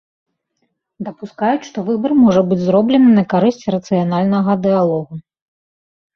Дапускаюць, што выбар можа быць зроблены на карысць рацыянальнага дыялогу.